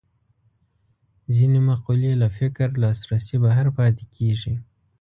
ځینې مقولې له فکر لاسرسي بهر پاتې کېږي